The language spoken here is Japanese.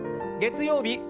月曜日